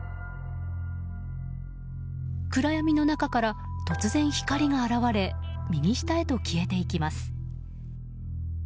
暗闇の中から突然、光が現れ右下へと消えていきます。